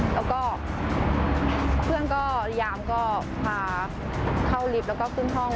แล้วก็เพื่อนก็พยายามก็พาเข้าลิฟต์แล้วก็ขึ้นห้อง